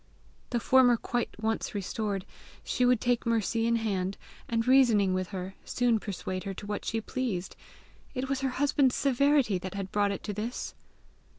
The former quiet once restored, she would take Mercy in hand, and reasoning with her, soon persuade her to what she pleased! It was her husband's severity that had brought it to this!